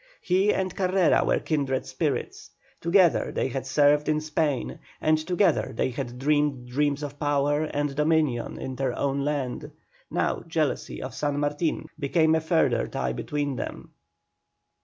He and Carrera were kindred spirits. Together they had served in Spain, and together they had dreamed dreams of power and dominion in their own land; now jealousy of San Martin became a further tie between them.